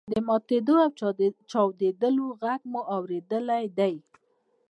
د ماتیدو او چاودلو غږ مو اوریدلی دی.